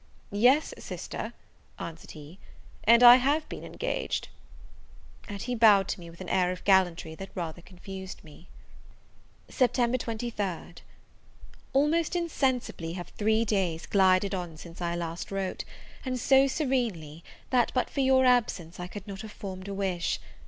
"Yes, sister," answered he, "and I have been engaged." And he bowed to me with an air of gallantry that rather confused me. Sept. 23rd. Almost insensibly have three days glided on since I wrote last, and so serenely, that, but for your absence, I could not have formed a wish.